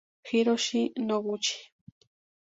Hiroshi Noguchi